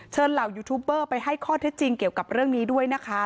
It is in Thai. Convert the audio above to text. เหล่ายูทูบเบอร์ไปให้ข้อเท็จจริงเกี่ยวกับเรื่องนี้ด้วยนะคะ